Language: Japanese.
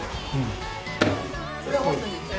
これで干すんですね。